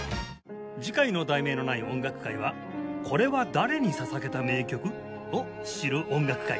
次回の『題名のない音楽会』は「“これは誰に捧げた名曲？”を知る音楽会」